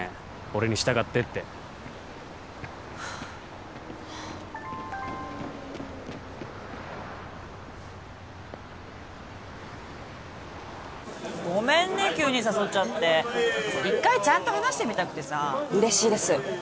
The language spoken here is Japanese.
俺に従ってってはあっもうごめんね急に誘っちゃって一回ちゃんと話してみたくてさ嬉しいです